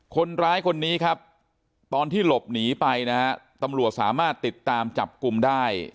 คนร้ายคนนี้ครับตอนที่หลบหนีไปนะฮะตำรวจสามารถติดตามจับกลุ่มได้